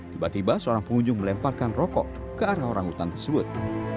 tiba tiba seorang pengunjung melemparkan rokok ke arah orangutan tersebut